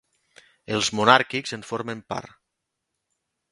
Els monàrquics en formen part.